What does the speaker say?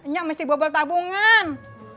nyak mesti bobol tabungan